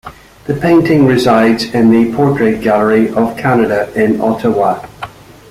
The painting resides in the Portrait Gallery of Canada in Ottawa.